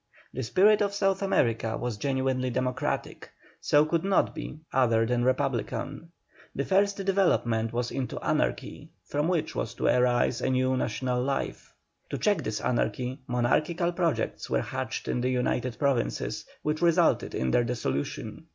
The spirit of South America was genuinely democratic, so could not be other than republican. The first development was into anarchy, from which was to arise a new national life. To check this anarchy monarchical projects were hatched in the United Provinces, which resulted in their dissolution.